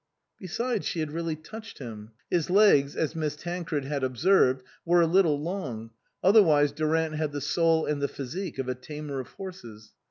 Besides, she had really touched him. His legs, as Miss Tancred had observed, were a little long, otherwise Durant had the soul and the physique of a tamer of horses.